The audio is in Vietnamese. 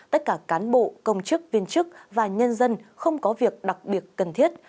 tất cả cán bộ công chức viên chức và nhân dân không có việc đặc biệt cần thiết